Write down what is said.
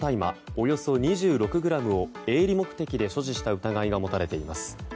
およそ２６ｇを営利目的で所持した疑いが持たれています。